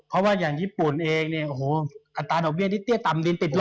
เพราะว่าอย่างญี่ปุ่นเองเนี่ยโอ้โหอัตราดอกเบี้ยที่เตี้ยต่ำดินติดเลย